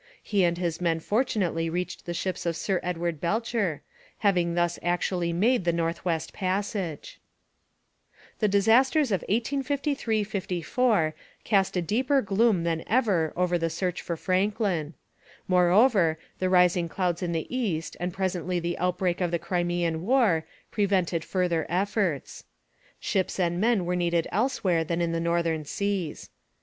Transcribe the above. He and his men fortunately reached the ships of Sir Edward Belcher, having thus actually made the North West Passage. The disasters of 1853 54 cast a deeper gloom than ever over the search for Franklin. Moreover, the rising clouds in the East and presently the outbreak of the Crimean War prevented further efforts. Ships and men were needed elsewhere than in the northern seas.